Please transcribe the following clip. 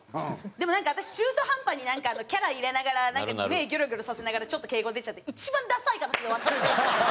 でも私中途半端にキャラ入れながら目ギョロギョロさせながらちょっと敬語出ちゃって一番ださい形で終わっちゃった。